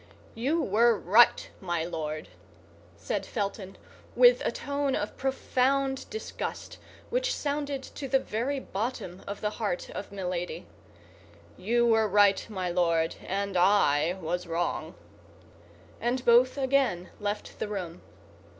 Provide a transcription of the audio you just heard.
"You were right, my Lord," said Felton, with a tone of profound disgust which sounded to the very bottom of the heart of Milady, "you were right, my Lord, and I was wrong." And both again left the room.